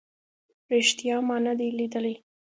ریښتیا ما نه دی لیدلی